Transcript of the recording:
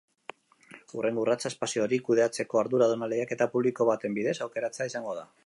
Hurrengo urratsa espazio hori kudeatzeko arduraduna lehiaketa publiko baten bidez aukeratzea izango da.